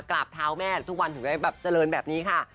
กราบเท้าแม่ทุกวันถึงได้แบบเจริญแบบนี้ค่ะ